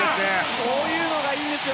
こういうのがいいんですよ